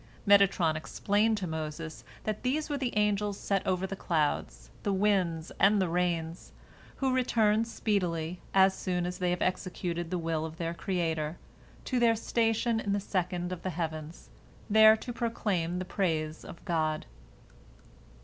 Metatron explained to Moses, that these were the angels set over the clouds, the winds, and the rains, who return speedily, as soon as they have executed the will of their Creator, to their station in the second of the heavens, there to proclaim the praise of God.